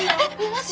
マジ？